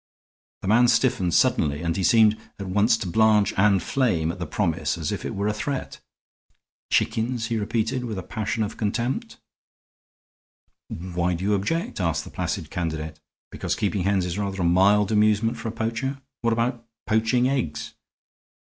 The man stiffened suddenly and he seemed at once to blanch and flame at the promise as if it were a threat. "Chickens!" he repeated, with a passion of contempt. "Why do you object?" asked the placid candidate. "Because keeping hens is rather a mild amusement for a poacher? What about poaching eggs?"